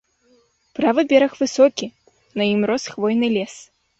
Правы бераг высокі, на ім рос хвойны лес.